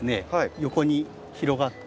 横に広がって。